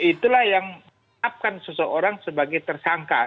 itulah yang menetapkan seseorang sebagai tersangka